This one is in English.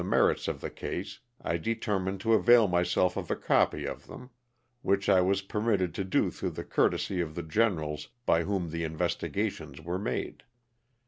15 merits of the case, I determined to avail myself of a copy of them, which I was permitted to do through the courtesy of the generals by whom the investigations were made.